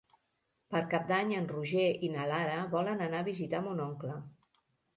Per Cap d'Any en Roger i na Lara volen anar a visitar mon oncle.